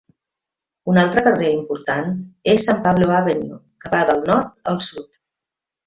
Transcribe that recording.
Un altre carrer important és San Pablo Avenue, que va del nord al sud.